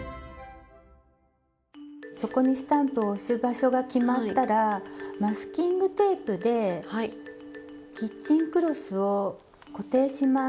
そこにスタンプを押す場所が決まったらマスキングテープでキッチンクロスを固定します。